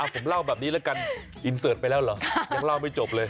ผมเล่าแบบนี้แล้วกันอินเสิร์ตไปแล้วเหรอยังเล่าไม่จบเลย